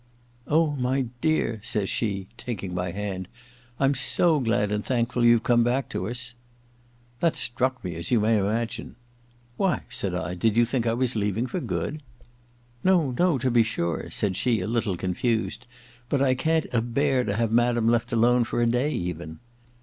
*Oh, my dear,' says she, taking my hand, 'I'm so glad and thankful you've come back to us !' That struck me, as you may imagine. • Why,' said I, * did you think I was leaving for good ?'* No, no, to be sure,' said she, a little con fused, 'but I can't a bear to have madam left alone for a day even.'